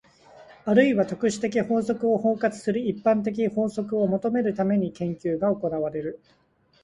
あるいは特殊的法則を包括する一般的法則を求めるために、研究が行われる。